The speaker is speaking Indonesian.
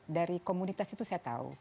dari komunitas itu saya tahu